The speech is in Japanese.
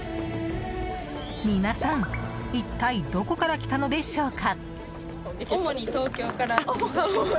皆さん一体どこから来たのでしょうか？